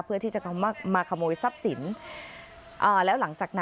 เพื่อที่จะมาขโมยทรัพย์สิน